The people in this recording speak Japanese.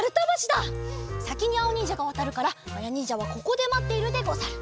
さきにあおにんじゃがわたるからまやにんじゃはここでまっているでござる。